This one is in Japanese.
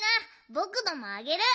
ぼくのもあげる。